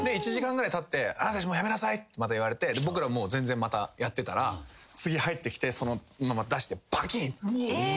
１時間ぐらいたって「あなたたちもうやめなさい」ってまた言われて僕らもう全然またやってたら次入ってきてそのまま出してバキンって。